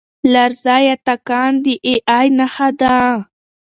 لرزه یا تکان د اې ای نښه ده.